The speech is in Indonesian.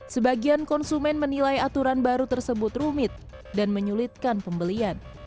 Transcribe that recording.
sebagian konsumen menilai aturan baru tersebut rumit dan menyulitkan pembelian